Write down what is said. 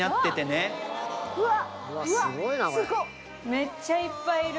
めっちゃいっぱいいる。